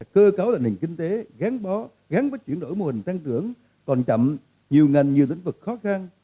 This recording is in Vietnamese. cơ cấu là nền kinh tế gán bó gán bất chuyển đổi mô hình tăng trưởng còn chậm nhiều ngành nhiều lĩnh vực khó khăn